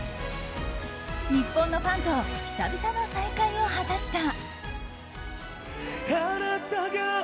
日本のファンと久々の再会を果たした。